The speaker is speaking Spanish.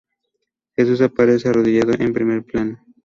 Jesús aparece arrodillado en primer plano.